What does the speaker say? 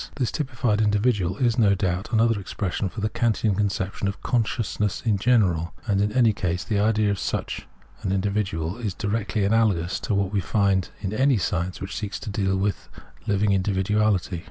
This typified individual is no doubt another expression for the Kantian conception of " consciousness in general "; and in any case the idea of such an in dividual is directly analogous to what we find in any science which seeks to deal with hving individuahty.